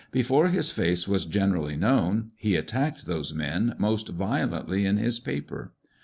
Before his face was generally known, he attacked those men most violently in his paper.